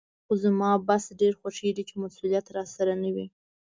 خو زما بس ډېر خوښېږي چې مسولیت راسره نه وي.